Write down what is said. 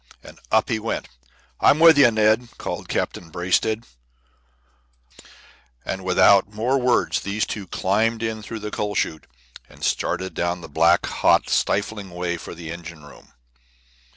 And up he went! "I'm with you, Ned," called Captain Braisted; and without more words these two climbed in through the coal chute and started down the black, hot, stifling ways for the engine room.